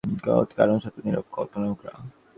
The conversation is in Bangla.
কারণ, সত্য নীরব, কল্পনাই মুখরা।